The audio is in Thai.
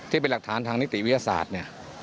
ที่เป็นหลักฐานทางนิติวิทยาศาสตร์เนี่ย